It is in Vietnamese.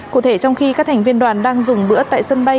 cụ thể trong khi các thành viên đoàn đang dùng bữa tại sân bay